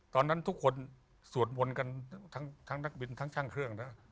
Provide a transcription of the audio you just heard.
ตอนนั้นทุกคนสวดมนต์กันทั้งนักบินทั้งช่างเครื่องนะ